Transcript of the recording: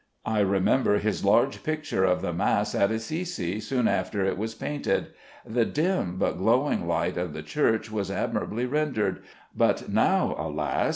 I remember his large picture of the Mass at Assisi soon after it was painted. The dim but glowing light of the church was admirably rendered, but now, alas!